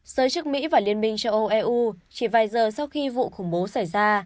giới chức mỹ và liên minh châu âu eu chỉ vài giờ sau khi vụ khủng bố xảy ra